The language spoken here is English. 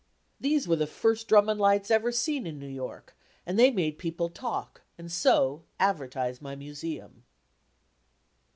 These were the first Drummond lights ever seen in New York, and they made people talk, and so advertise my Museum.